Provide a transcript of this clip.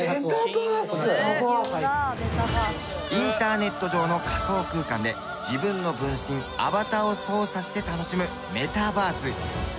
インターネット上の仮想空間で自分の分身アバターを操作して楽しむメタバース。